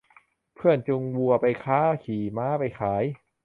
เพื่อนจูงวัวไปค้าขี่ม้าไปขาย